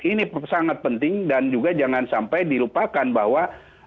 ini sangat penting dan juga jangan sampai dilupakan bahwa